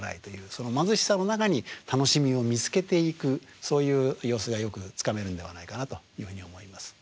その貧しさの中に楽しみを見つけていくそういう様子がよくつかめるんではないかなというふうに思います。